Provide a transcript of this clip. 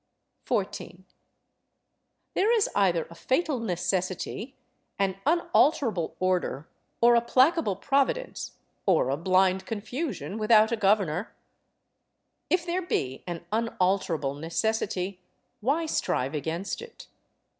14. There is either a fatal necessity, an unalterable order, or a placable Providence, or a blind confusion without a governor. If there be an unalterable necessity, why strive against it?